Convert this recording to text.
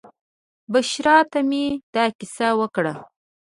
بشرا ته مې دا کیسه وکړه.